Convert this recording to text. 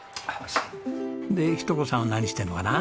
で日登子さんは何してるのかな？